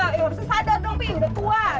eh harusnya sadar dong pi udah tua